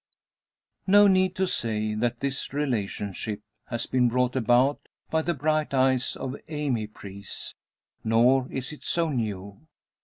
No need to say, that this relationship has been brought about by the bright eyes of Amy Preece. Nor is it so new.